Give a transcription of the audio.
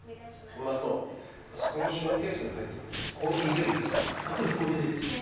あそこのショーケースに入ってるのってコーヒーゼリーですか？